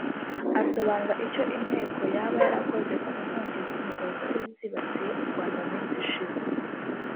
Asobanura icyo Inteko yaba yarakoze ku nkongi z’umuriro zari zibasiye u Rwanda mu minsi ishize